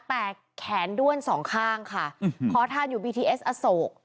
แต่แขนด้วนสองข้างค่ะขอทานอยู่บีทีเอสอโศก